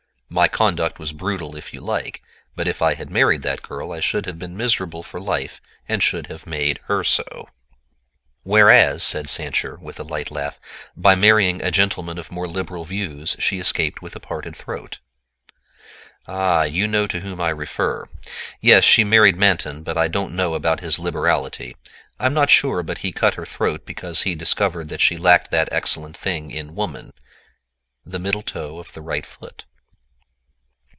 My conduct was brutal if you like, but if I had married that girl I should have been miserable for life and should have made her so." "Whereas," said Sancher, with a light laugh, "by marrying a gentleman of more liberal view she escaped with a parted throat." "Ah, you know to whom I refer. Yes, she married Manton, but I don't know about his liberality; I'm not sure but he cut her throat because he discovered that she lacked that excellent thing in woman, the middle toe of the right foot."